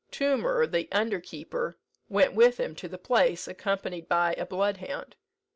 Toomer, the under keeper, went with him to the place, accompanied by a bloodhound.